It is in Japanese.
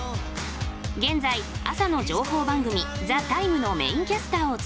現在朝の情報番組「ＴＨＥＴＩＭＥ，」のメインキャスターを務める安住さん。